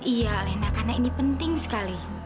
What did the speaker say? iya lena karena ini penting sekali